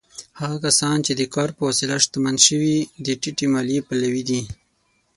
هغه کسان چې د کار په وسیله شتمن شوي، د ټیټې مالیې پلوي دي.